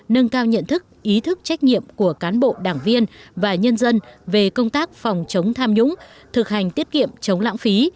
nâng cao nhận thức ý thức trách nhiệm của cán bộ đảng viên và nhân dân về công tác phòng chống tham nhũng thực hành tiết kiệm chống lãng phí